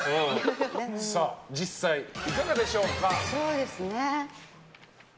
さあ、実際いかがでしょうか？